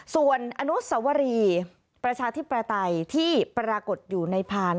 ส่วนอนุสวรีประชาธิปไตยที่ปรากฏอยู่ในพาน